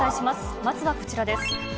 まずはこちらです。